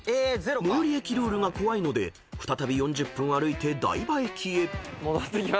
［最寄駅ルールが怖いので再び４０分歩いて大場駅へ］